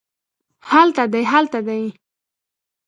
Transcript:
هلته دی هلته دي